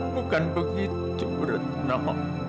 bukan begitu renok